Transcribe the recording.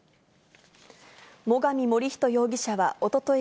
最上守人容疑者はおととい